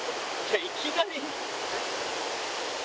いきなり。